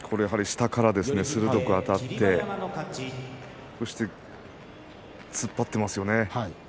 下から鋭くあたってそして突っ張っていますよね。